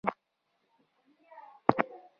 سیلابونه څنګه مخنیوی کیدی شي؟